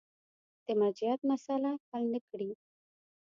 د مرجعیت مسأله حل نه کړي.